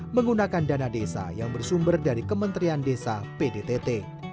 menggunakan dana desa yang bersumber dari kementerian desa pdtt